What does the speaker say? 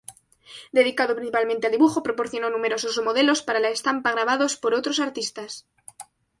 Dedicado principalmente al dibujo, proporcionó numerosos modelos para la estampa grabados por otros artistas.